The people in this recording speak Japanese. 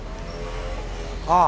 ああ。